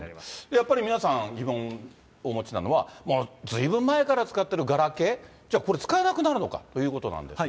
やっぱり皆さん、疑問お持ちなのは、ずいぶん前から使ってるガラケー、じゃあ、これ、使えなくなるのかということなんですが。